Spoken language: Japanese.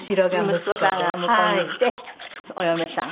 息子さんが向こうにいてお嫁さん。